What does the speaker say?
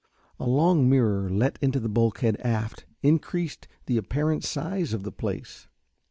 A long mirror let into the bulkhead aft increased the apparent size of the place.